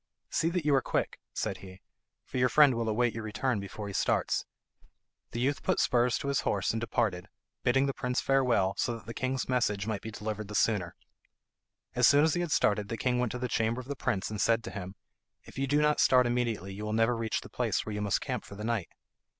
"See that you are quick," said he, "for your friend will await your return before he starts." The youth put spurs to his horse and departed, bidding the prince farewell, so that the king's message might be delivered the sooner. As soon as he had started the king went to the chamber of the prince, and said to him, "If you do not start immediately, you will never reach the place where you must camp for the night."